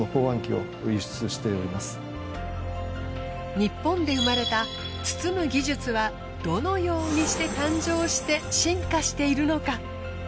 日本で生まれた包む技術はどのようにして誕生して進化しているのか？